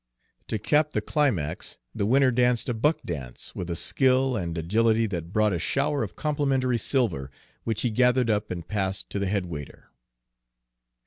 To cap the climax, the winner danced a buck dance with a skill and agility that brought a shower of complimentary silver, which he gathered up and passed to the head waiter.